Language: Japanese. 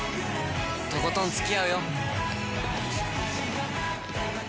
とことんつきあうよ！